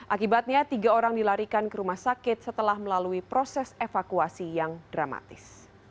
akibatnya tiga orang dilarikan ke rumah sakit setelah melalui proses evakuasi yang dramatis